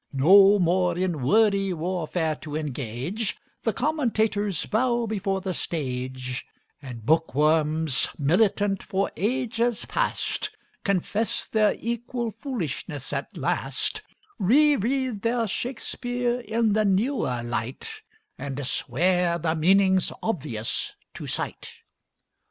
No more in wordy warfare to engage, The commentators bow before the stage, And bookworms, militant for ages past, Confess their equal foolishness at last, Reread their Shakspeare in the newer light And swear the meaning's obvious to sight.